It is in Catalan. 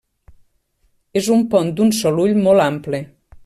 És un pont d'un sol ull molt ample.